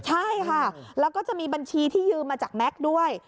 ใช่ค่ะแล้วก็จะมีบัญชีที่ยืมมาจากแม็กซ์ด้วย